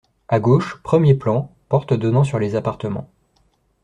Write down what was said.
À gauche, premier plan, porte donnant sur les appartements.